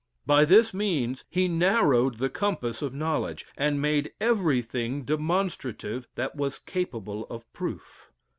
By this means he narrowed the compass of knowledge, and made everything demonstrative that was capable of proof.